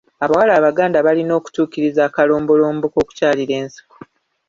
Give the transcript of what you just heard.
Abawala Abaganda balina okutuukiriza akalombolombo k’okukyalira ensiko.